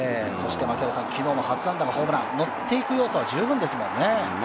昨日も初安打がホームラン、のっていく要素は十分ですよもんね。